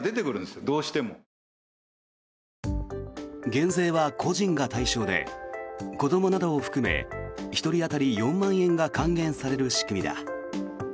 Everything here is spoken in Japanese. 減税は個人が対象で子どもなどを含め１人当たり４万円が還元される仕組みだ。